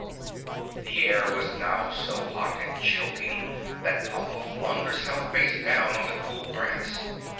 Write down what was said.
The air was now so hot and choking that Pompa flung himself face down on the cool grass.